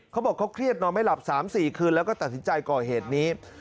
เขาบอกเขาเครียดนอนไม่หลับ๓๔คืนแล้วก็ตัดสินใจก่อเหตุนี้